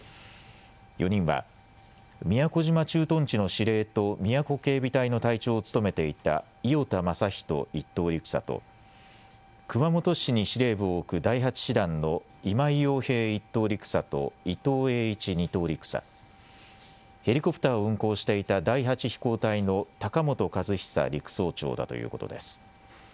４人は宮古島駐屯地の司令と宮古警備隊の隊長を務めていた伊與田雅一１等陸佐と熊本市に司令部を置く第８師団の今井洋平１等陸佐と伊東英一２等陸佐、ヘリコプターを運航していた第８飛行隊の高本和尚陸曹長だということです。